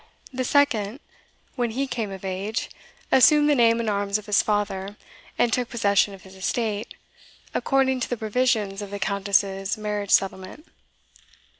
The second, when he came of age, assumed the name and arms of his father, and took possession of his estate, according to the provisions of the Countess's marriage settlement.